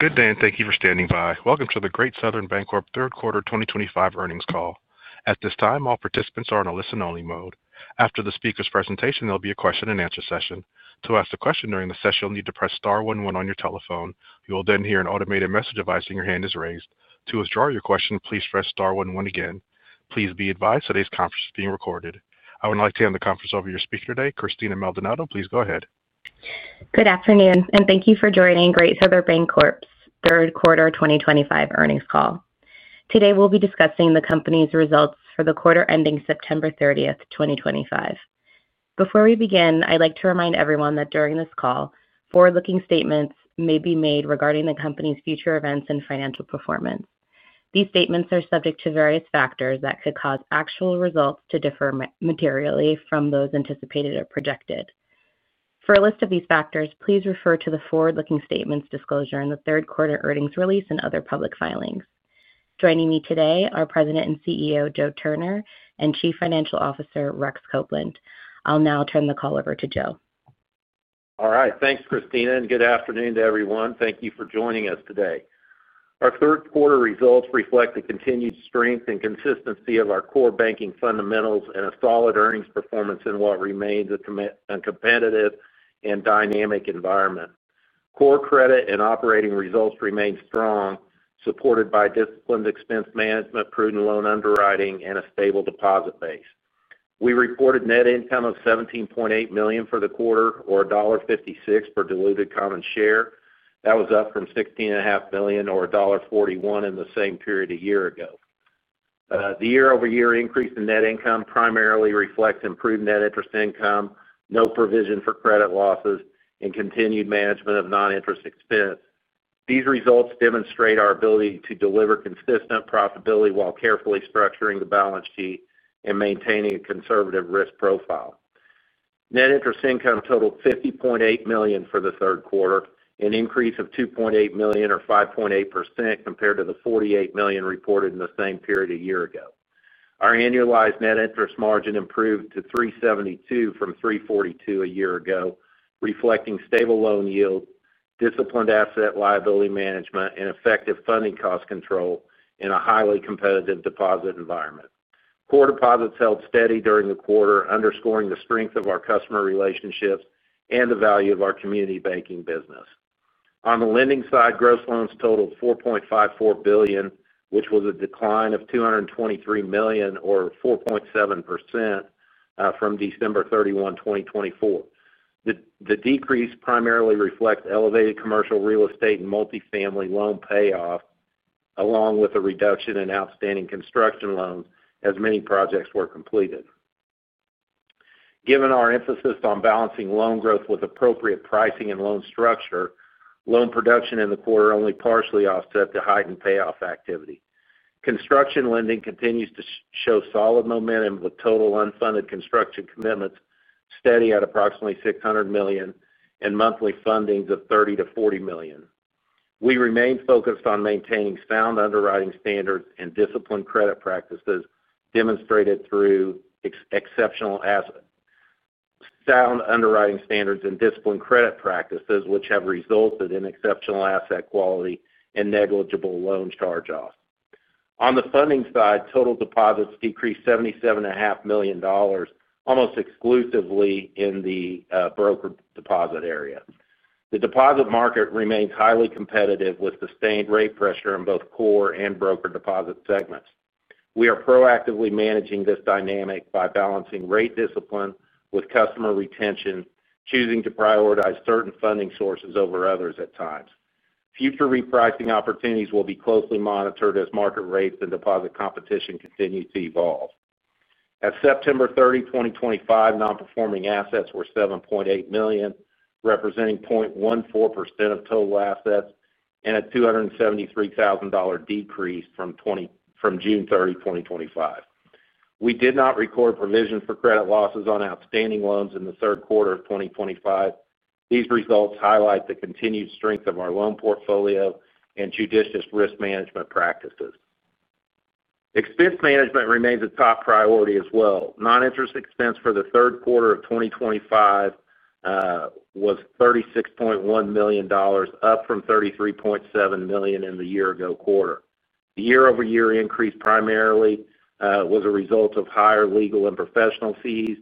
Good day and thank you for standing by. Welcome to the Great Southern Bancorp Third Quarter 2025 earnings call. At this time, all participants are in a listen-only mode. After the speaker's presentation, there will be a question and answer session. To ask a question during the session, you'll need to press star one one on your telephone. You will then hear an automated message advising your hand is raised. To withdraw your question, please press star one one again. Please be advised today's conference is being recorded. I would like to hand the conference over to your speaker today, Christina Maldonado. Please go ahead. Good afternoon and thank you for joining Great Southern Bancorp's Third Quarter 2025 earnings call. Today, we'll be discussing the company's results for the quarter ending September 30, 2025. Before we begin, I'd like to remind everyone that during this call, forward-looking statements may be made regarding the company's future events and financial performance. These statements are subject to various factors that could cause actual results to differ materially from those anticipated or projected. For a list of these factors, please refer to the forward-looking statements disclosure in the Third Quarter Earnings Release and other public filings. Joining me today are President and CEO Joe Turner and Chief Financial Officer Rex Copeland. I'll now turn the call over to Joe. All right. Thanks, Christina, and good afternoon to everyone. Thank you for joining us today. Our third quarter results reflect the continued strength and consistency of our core banking fundamentals and a solid earnings performance in what remains a competitive and dynamic environment. Core credit and operating results remain strong, supported by disciplined expense management, prudent loan underwriting, and a stable deposit base. We reported net income of $17.8 million for the quarter, or $1.56 per diluted common share. That was up from $16.5 million or $1.41 in the same period a year ago. The year-over-year increase in net income primarily reflects improved net interest income, no provision for credit losses, and continued management of non-interest expense. These results demonstrate our ability to deliver consistent profitability while carefully structuring the balance sheet and maintaining a conservative risk profile. Net interest income totaled $50.8 million for the third quarter, an increase of $2.8 million, or 5.8% compared to the $48 million reported in the same period a year ago. Our annualized net interest margin improved to 3.72% from 3.42% a year ago, reflecting stable loan yields, disciplined asset liability management, and effective funding cost control in a highly competitive deposit environment. Core deposits held steady during the quarter, underscoring the strength of our customer relationships and the value of our community banking business. On the lending side, gross loans totaled $4.54 billion, which was a decline of $223 million, or 4.7%, from December 31, 2023. The decrease primarily reflects elevated commercial real estate and multifamily loan payoffs, along with a reduction in outstanding construction loans as many projects were completed. Given our emphasis on balancing loan growth with appropriate pricing and loan structure, loan production in the quarter only partially offset the heightened payoff activity. Construction lending continues to show solid momentum with total unfunded construction commitments steady at approximately $600 million and monthly fundings of $30 million to $40 million. We remain focused on maintaining sound underwriting standards and disciplined credit practices demonstrated through exceptional asset quality and negligible loan charge-offs. On the funding side, total deposits decreased $77.5 million, almost exclusively in the brokered deposit area. The deposit market remains highly competitive with sustained rate pressure in both core and brokered deposit segments. We are proactively managing this dynamic by balancing rate discipline with customer retention, choosing to prioritize certain funding sources over others at times. Future repricing opportunities will be closely monitored as market rates and deposit competition continue to evolve. At September 30, 2025, non-performing assets were $7.8 million, representing 0.14% of total assets and a $273,000 decrease from June 30, 2025. We did not record provision for credit losses on outstanding loans in the third quarter of 2025. These results highlight the continued strength of our loan portfolio and judicious risk management practices. Expense management remains a top priority as well. Non-interest expense for the third quarter of 2025 was $36.1 million, up from $33.7 million in the year-ago quarter. The year-over-year increase primarily was a result of higher legal and professional fees,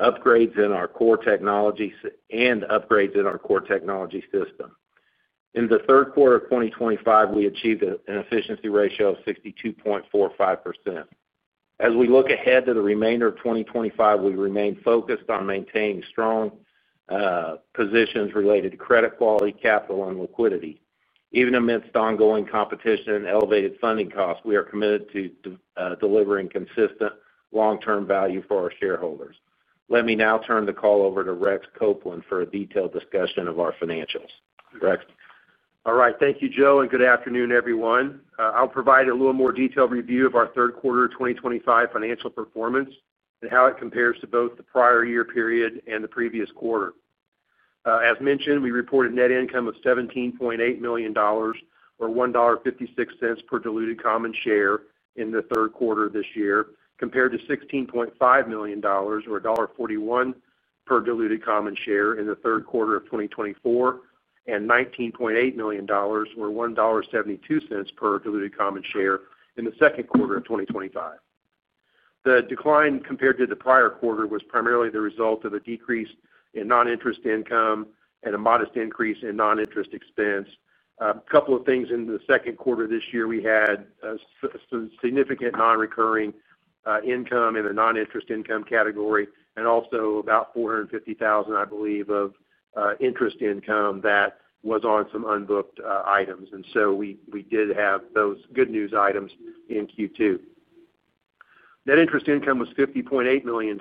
upgrades in our core technologies, and upgrades in our core technology system. In the third quarter of 2025, we achieved an efficiency ratio of 62.45%. As we look ahead to the remainder of 2025, we remain focused on maintaining strong positions related to credit quality, capital, and liquidity. Even amidst ongoing competition and elevated funding costs, we are committed to delivering consistent long-term value for our shareholders. Let me now turn the call over to Rex Copeland for a detailed discussion of our financials. All right. Thank you, Joe, and good afternoon, everyone. I'll provide a little more detailed review of our third quarter of 2025 financial performance and how it compares to both the prior year period and the previous quarter. As mentioned, we reported net income of $17.8 million, or $1.56 per diluted common share in the third quarter of this year, compared to $16.5 million, or $1.41 per diluted common share in the third quarter of 2024, and $19.8 million, or $1.72 per diluted common share in the second quarter of 2025. The decline compared to the prior quarter was primarily the result of a decrease in non-interest income and a modest increase in non-interest expense. A couple of things in the second quarter of this year, we had a significant non-recurring income in the non-interest income category and also about $450,000, I believe, of interest income that was on some unbooked items. We did have those good news items in Q2. Net interest income was $50.8 million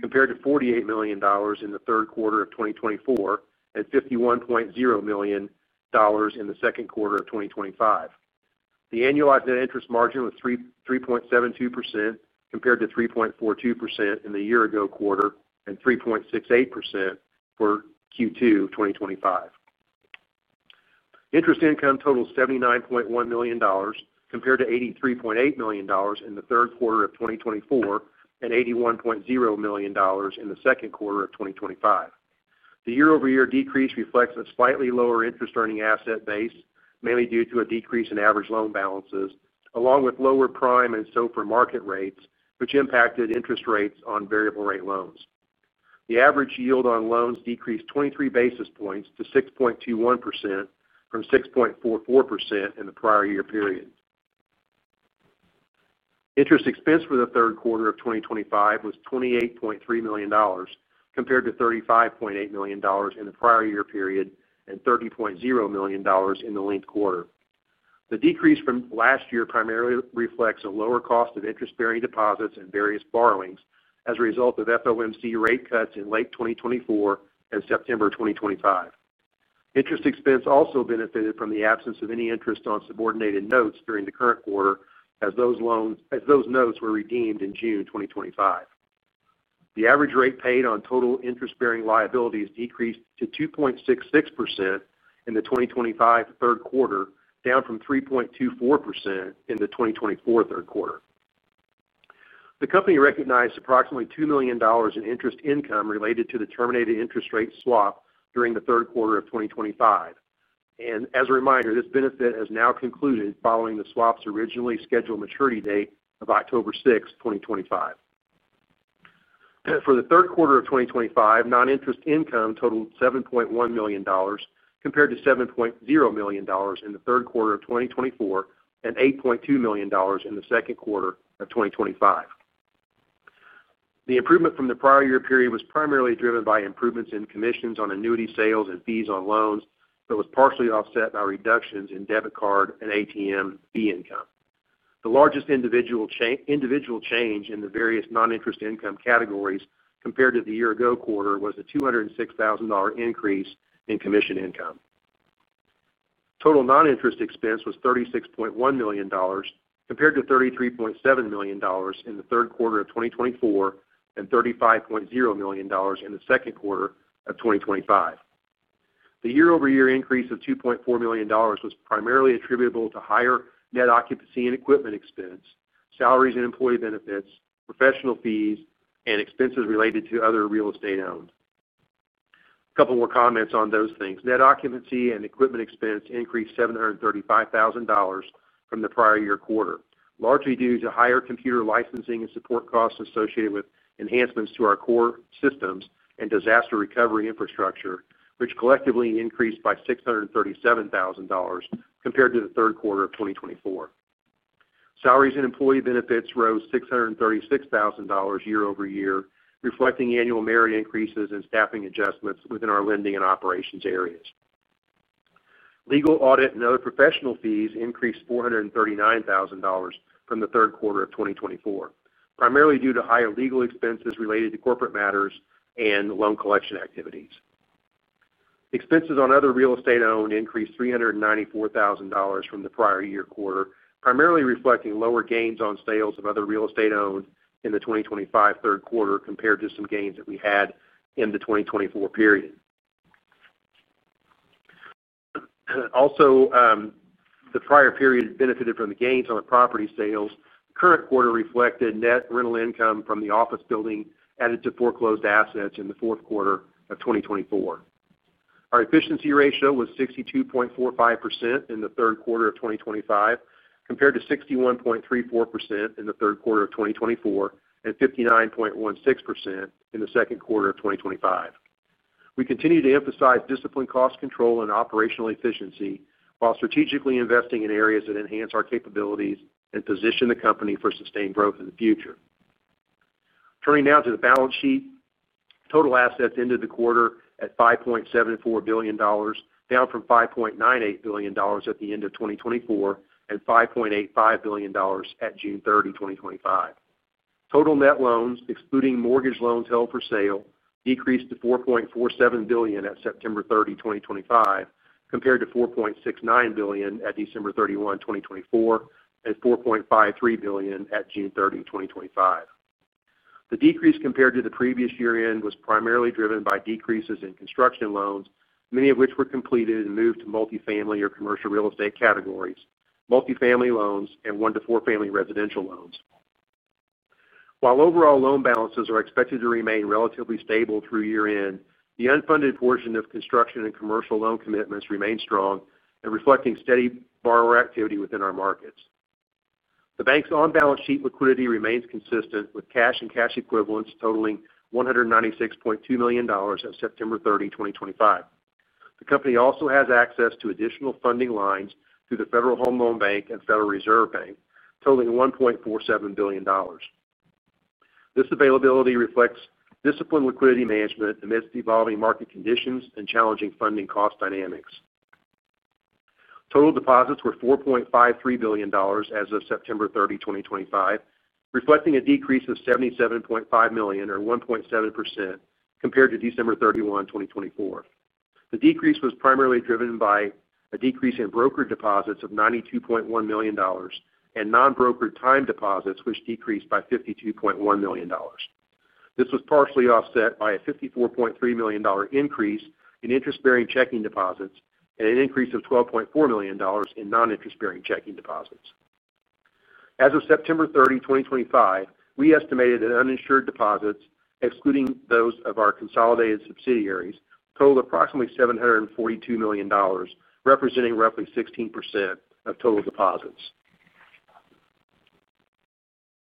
compared to $48 million in the third quarter of 2024 and $51.0 million in the second quarter of 2025. The annualized net interest margin was 3.72% compared to 3.42% in the year-ago quarter and 3.68% for Q2 of 2025. Interest income totaled $79.1 million compared to $83.8 million in the third quarter of 2024 and $81.0 million in the second quarter of 2025. The year-over-year decrease reflects a slightly lower interest earning asset base, mainly due to a decrease in average loan balances, along with lower prime and SOFR market rates, which impacted interest rates on variable rate loans. The average yield on loans decreased 23 basis points to 6.21% from 6.44% in the prior year period. Interest expense for the third quarter of 2025 was $28.3 million compared to $35.8 million in the prior year period and $30.0 million in the linked quarter. The decrease from last year primarily reflects a lower cost of interest-bearing deposits and various borrowings as a result of FOMC rate cuts in late 2024 and September 2025. Interest expense also benefited from the absence of any interest on subordinated notes during the current quarter as those notes were redeemed in June 2025. The average rate paid on total interest-bearing liabilities decreased to 2.66% in the 2025 third quarter, down from 3.24% in the 2024 third quarter. The company recognized approximately $2 million in interest income related to the terminated interest rate swap during the third quarter of 2025. As a reminder, this benefit has now concluded following the swap's originally scheduled maturity date of October 6, 2025. For the third quarter of 2025, non-interest income totaled $7.1 million compared to $7.0 million in the third quarter of 2024 and $8.2 million in the second quarter of 2025. The improvement from the prior year period was primarily driven by improvements in commissions on annuity sales and fees on loans, but was partially offset by reductions in debit card and ATM fee income. The largest individual change in the various non-interest income categories compared to the year-ago quarter was the $206,000 increase in commission income. Total non-interest expense was $36.1 million compared to $33.7 million in the third quarter of 2024 and $35.0 million in the second quarter of 2025. The year-over-year increase of $2.4 million was primarily attributable to higher net occupancy and equipment expense, salaries and employee benefits, professional fees, and expenses related to other real estate owned. A couple more comments on those things. Net occupancy and equipment expense increased $735,000 from the prior year quarter, largely due to higher computer licensing and support costs associated with enhancements to our core systems and disaster recovery infrastructure, which collectively increased by $637,000 compared to the third quarter of 2024. Salaries and employee benefits rose $636,000 year over year, reflecting annual merit increases and staffing adjustments within our lending and operations areas. Legal, audit, and other professional fees increased $439,000 from the third quarter of 2024, primarily due to higher legal expenses related to corporate matters and loan collection activities. Expenses on other real estate owned increased $394,000 from the prior year quarter, primarily reflecting lower gains on sales of other real estate owned in the 2025 third quarter compared to some gains that we had in the 2024 period. The prior period benefited from the gains on the property sales. The current quarter reflected net rental income from the office building added to foreclosed assets in the fourth quarter of 2024. Our efficiency ratio was 62.45% in the third quarter of 2025 compared to 61.34% in the third quarter of 2024 and 59.16% in the second quarter of 2025. We continue to emphasize disciplined cost control and operational efficiency while strategically investing in areas that enhance our capabilities and position the company for sustained growth in the future. Turning now to the balance sheet, total assets ended the quarter at $5.74 billion, down from $5.98 billion at the end of 2024 and $5.85 billion at June 30, 2025. Total net loans, excluding mortgage loans held for sale, decreased to $4.47 billion at September 30, 2025, compared to $4.69 billion at December 31, 2024, and $4.53 billion at June 30, 2025. The decrease compared to the previous year-end was primarily driven by decreases in construction loans, many of which were completed and moved to multifamily or commercial real estate categories, multifamily loans, and one-to-four-family residential loans. While overall loan balances are expected to remain relatively stable through year-end, the unfunded portion of construction and commercial loan commitments remains strong and reflects steady borrower activity within our markets. The bank's on-balance sheet liquidity remains consistent, with cash and cash equivalents totaling $196.2 million at September 30, 2025. The company also has access to additional funding lines through the Federal Home Loan Bank and Federal Reserve Bank, totaling $1.47 billion. This availability reflects disciplined liquidity management amidst evolving market conditions and challenging funding cost dynamics. Total deposits were $4.53 billion as of September 30, 2025, reflecting a decrease of $77.5 million or 1.7% compared to December 31, 2024. The decrease was primarily driven by a decrease in brokered deposits of $92.1 million and non-brokered time deposits, which decreased by $52.1 million. This was partially offset by a $54.3 million increase in interest-bearing checking deposits and an increase of $12.4 million in non-interest-bearing checking deposits. As of September 30, 2025, we estimated that uninsured deposits, excluding those of our consolidated subsidiaries, totaled approximately $742 million, representing roughly 16% of total deposits.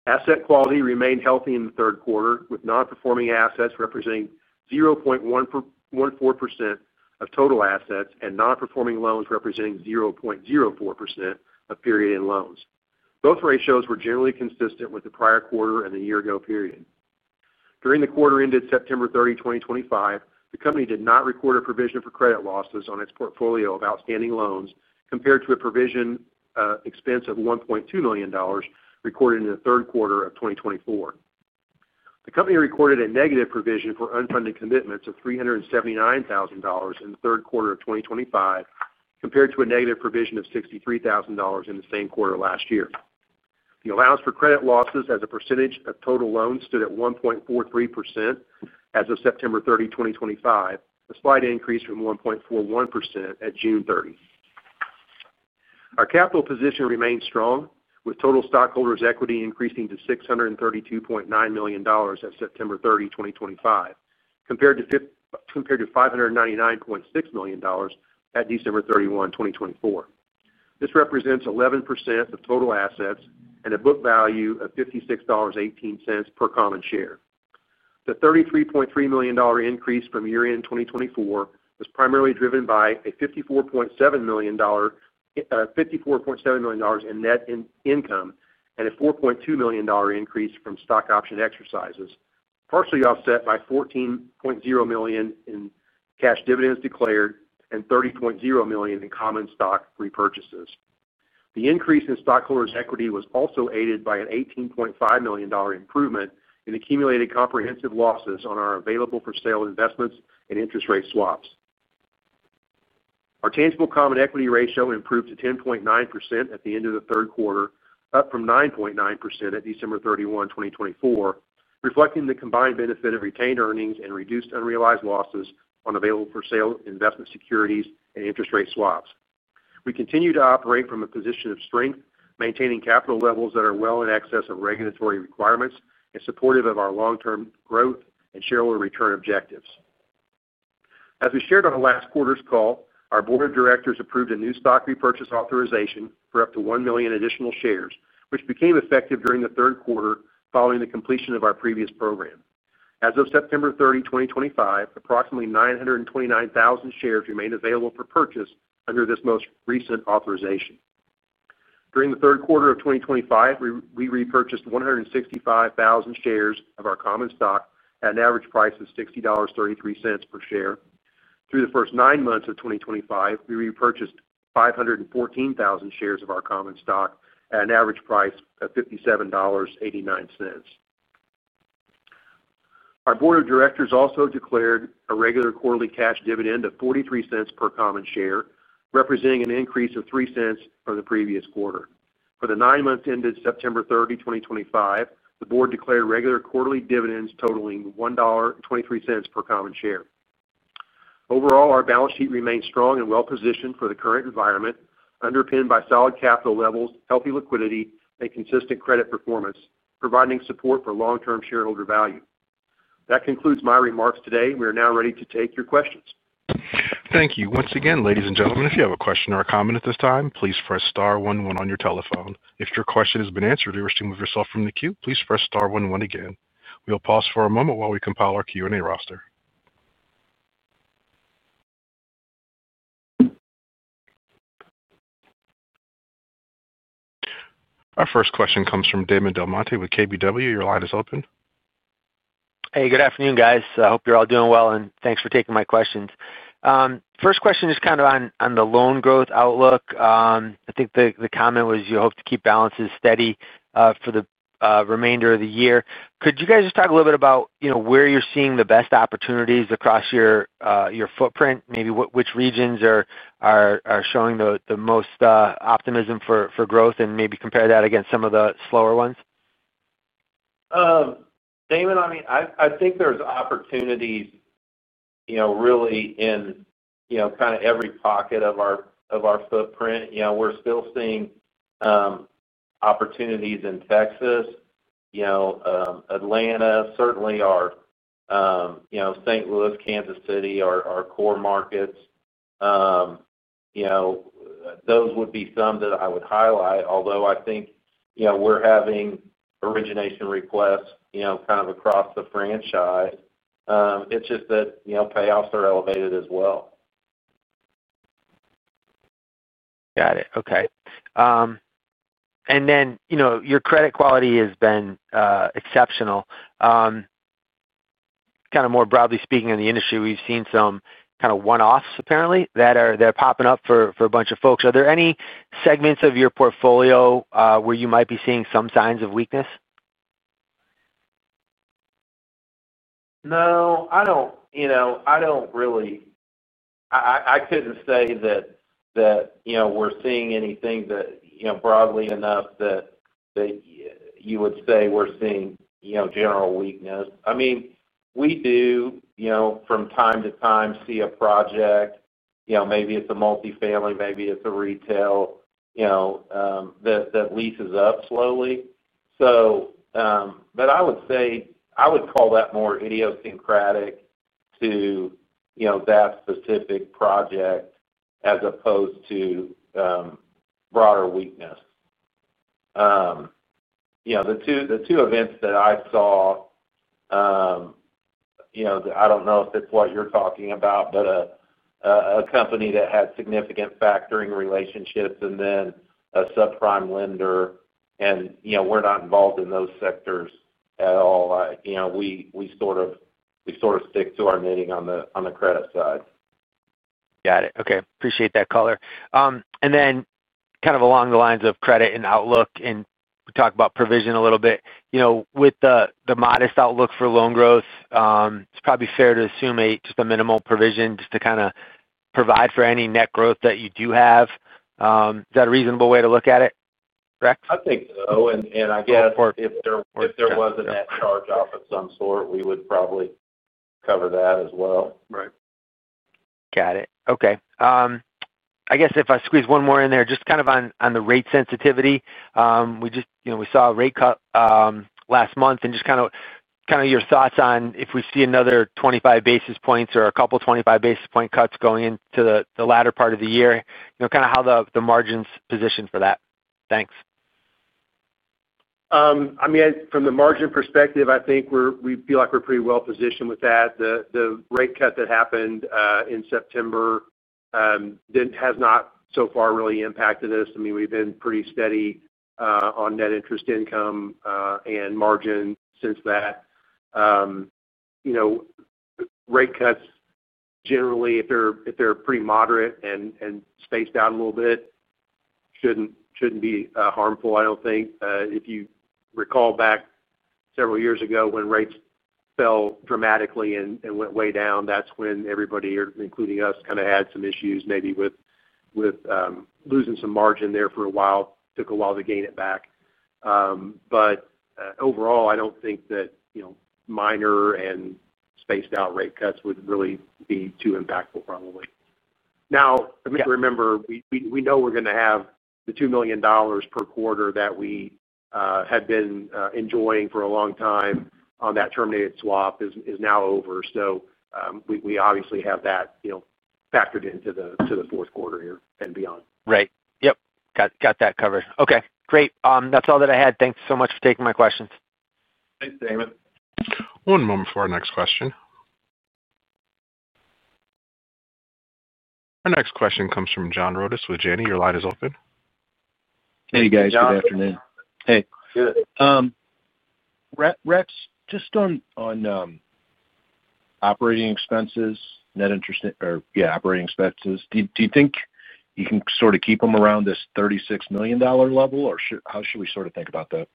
Asset quality remained healthy in the third quarter, with non-performing assets representing 0.14% of total assets and non-performing loans representing 0.04% of period-end loans. Both ratios were generally consistent with the prior quarter and the year-ago period. During the quarter ended September 30, 2025, the company did not record a provision for credit losses on its portfolio of outstanding loans compared to a provision expense of $1.2 million recorded in the third quarter of 2024. The company recorded a negative provision for unfunded commitments of $379,000 in the third quarter of 2025 compared to a negative provision of $63,000 in the same quarter last year. The allowance for credit losses as a percentage of total loans stood at 1.43% as of September 30, 2025, a slight increase from 1.41% at June 30. Our capital position remains strong, with total stockholders' equity increasing to $632.9 million at September 30, 2025, compared to $599.6 million at December 31, 2024. This represents 11% of total assets and a book value of $56.18 per common share. The $33.3 million increase from year-end 2024 was primarily driven by $54.7 million in net income and a $4.2 million increase from stock option exercises, partially offset by $14.0 million in cash dividends declared and $30.0 million in common stock repurchases. The increase in stockholders' equity was also aided by an $18.5 million improvement in accumulated comprehensive losses on our available-for-sale investments and interest rate swaps. Our tangible common equity ratio improved to 10.9% at the end of the third quarter, up from 9.9% at December 31, 2024, reflecting the combined benefit of retained earnings and reduced unrealized losses on available-for-sale investment securities and interest rate swaps. We continue to operate from a position of strength, maintaining capital levels that are well in excess of regulatory requirements and supportive of our long-term growth and shareholder return objectives. As we shared on the last quarter's call, our Board of Directors approved a new stock repurchase authorization for up to 1 million additional shares, which became effective during the third quarter following the completion of our previous program. As of September 30, 2025, approximately 929,000 shares remain available for purchase under this most recent authorization. During the third quarter of 2025, we repurchased 165,000 shares of our common stock at an average price of $60.33 per share. Through the first nine months of 2025, we repurchased 514,000 shares of our common stock at an average price of $57.89. Our board of directors also declared a regular quarterly cash dividend of $0.43 per common share, representing an increase of $0.03 from the previous quarter. For the nine months ended September 30, 2025, the board declared regular quarterly dividends totaling $1.23 per common share. Overall, our balance sheet remains strong and well-positioned for the current environment, underpinned by solid capital levels, healthy liquidity, and consistent credit performance, providing support for long-term shareholder value. That concludes my remarks today. We are now ready to take your questions. Thank you. Once again, ladies and gentlemen, if you have a question or a comment at this time, please press *11 on your telephone. If your question has been answered or you wish to move yourself from the queue, please press star one one again. We'll pause for a moment while we compile our Q&A roster. Our first question comes from Damon DelMonte with KBW. Your line is open. Hey, good afternoon, guys. I hope you're all doing well, and thanks for taking my questions. My first question is kind of on the loan growth outlook. I think the comment was you hope to keep balances steady for the remainder of the year. Could you guys just talk a little bit about where you're seeing the best opportunities across your footprint? Maybe which regions are showing the most optimism for growth and maybe compare that against some of the slower ones? Damon, I think there's opportunities, you know, really in, you know, kind of every pocket of our footprint. You know, we're still seeing opportunities in Texas, Atlanta, certainly our St. Louis, Kansas City are our core markets. You know, those would be some that I would highlight, although I think, you know, we're having origination requests, you know, kind of across the franchise. It's just that, you know, payoffs are elevated as well. Got it. Okay. Your credit quality has been exceptional. More broadly speaking in the industry, we've seen some kind of one-offs apparently that are popping up for a bunch of folks. Are there any segments of your portfolio where you might be seeing some signs of weakness? No, I don't really, I couldn't say that we're seeing anything broadly enough that you would say we're seeing general weakness. I mean, we do from time to time see a project, maybe it's a multifamily, maybe it's a retail, that leases up slowly. I would call that more idiosyncratic to that specific project as opposed to broader weakness. The two events that I saw, I don't know if it's what you're talking about, but a company that had significant factoring relationships and then a subprime lender, and we're not involved in those sectors at all. We sort of stick to our knitting on the credit side. Got it. Okay. Appreciate that, caller. Then kind of along the lines of credit and outlook, we talk about provision a little bit. You know, with the modest outlook for loan growth, it's probably fair to assume just a minimal provision just to kind of provide for any net growth that you do have. Is that a reasonable way to look at it, Rex? I think so. I guess if there was a net charge-off of some sort, we would probably cover that as well. Right. Got it. Okay. I guess if I squeeze one more in there, just kind of on the rate sensitivity, we just, you know, we saw a rate cut last month and just kind of your thoughts on if we see another 25 basis points or a couple 25 basis point cuts going into the latter part of the year, you know, kind of how the margins position for that. Thanks. I mean, from the margin perspective, I think we feel like we're pretty well positioned with that. The rate cut that happened in September has not so far really impacted us. I mean, we've been pretty steady on net interest income and margin since that. You know, rate cuts generally, if they're pretty moderate and spaced out a little bit, shouldn't be harmful, I don't think. If you recall back several years ago when rates fell dramatically and went way down, that's when everybody, including us, kind of had some issues maybe with losing some margin there for a while. Took a while to gain it back. Overall, I don't think that minor and spaced-out rate cuts would really be too impactful, probably. Now, I mean, remember, we know we're going to have the $2 million per quarter that we had been enjoying for a long time on that terminated swap is now over. We obviously have that factored into the fourth quarter here and beyond. Right. Got that covered. Okay. Great. That's all that I had. Thanks so much for taking my questions. Thanks, Damon. One moment for our next question. Our next question comes from John Rodis with Janney. Your line is open. Hey, guys. Good afternoon. Hey. Good. Rex, just on operating expenses, net interest in or yeah, operating expenses, do you think you can sort of keep them around this $36 million level, or how should we sort of think about that?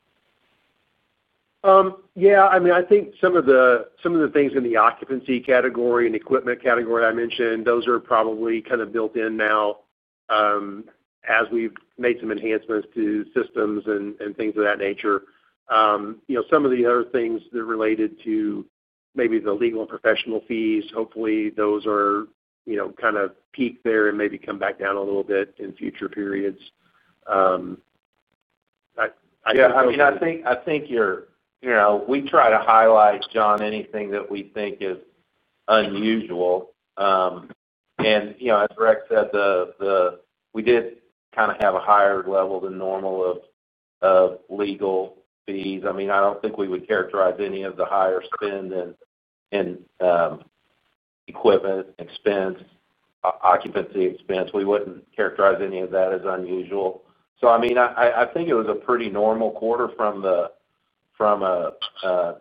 Yeah. I think some of the things in the occupancy category and equipment category I mentioned are probably kind of built in now, as we've made some enhancements to systems and things of that nature. Some of the other things that are related to maybe the legal and professional fees, hopefully, those are kind of peak there and maybe come back down a little bit in future periods. I don't know. Yeah. I think we try to highlight, John, anything that we think is unusual. As Rex said, we did kind of have a higher level than normal of legal fees. I don't think we would characterize any of the higher spend in equipment expense or occupancy expense as unusual. I think it was a pretty normal quarter from a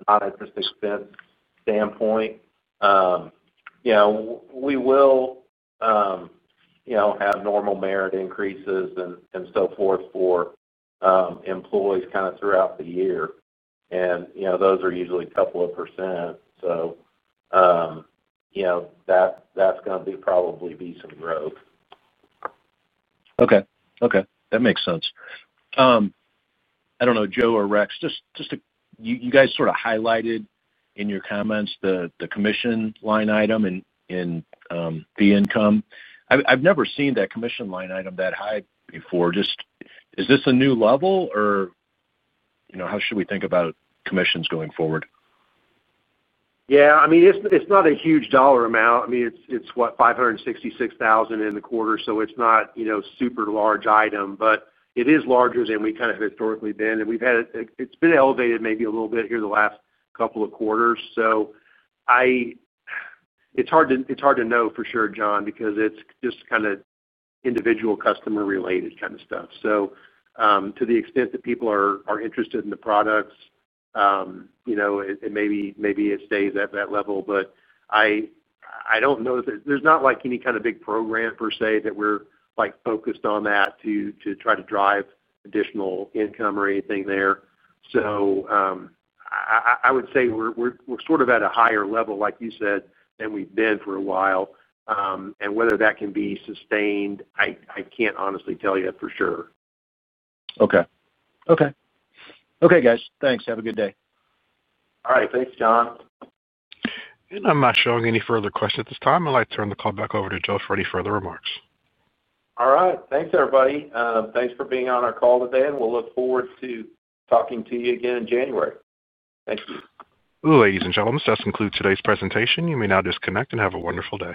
non-interest expense standpoint. We will have normal merit increases and so forth for employees kind of throughout the year, and those are usually a couple of percent. That's going to probably be some growth. Okay. That makes sense. I don't know, Joe or Rex, you guys sort of highlighted in your comments the commission line item in fee income. I've never seen that commission line item that high before. Is this a new level, or how should we think about commissions going forward? Yeah. I mean, it's not a huge dollar amount. I mean, it's what, $566,000 in the quarter, so it's not a super large item, but it is larger than we kind of have historically been. We've had it elevated maybe a little bit here the last couple of quarters. It's hard to know for sure, John, because it's just kind of individual customer-related kind of stuff. To the extent that people are interested in the products, you know, maybe it stays at that level. I don't know that there's not like any kind of big program per se that we're focused on to try to drive additional income or anything there. I would say we're sort of at a higher level, like you said, than we've been for a while, and whether that can be sustained, I can't honestly tell you that for sure. Okay. Okay. Okay, guys. Thanks. Have a good day. All right. Thanks, John. I'm not showing any further questions at this time. I'd like to turn the call back over to Joe for any further remarks. All right. Thanks, everybody. Thanks for being on our call today, and we'll look forward to talking to you again in January. Thank you. Ladies and gentlemen, this does conclude today's presentation. You may now disconnect and have a wonderful day.